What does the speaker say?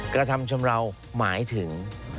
กระทำชำราวหมายถึง